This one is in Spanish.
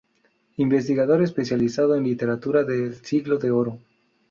Investigador especializado en literatura del Siglo de Oro.